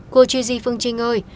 cô gigi phương trinh ơi